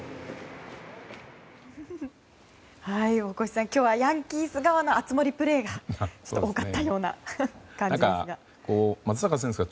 大越さん、今日はヤンキース側の熱盛プレーが多かったような感じですが。